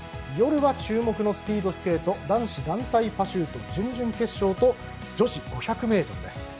夜は注目のスピードスケート男子団体パシュート準々決勝と女子５００ｍです。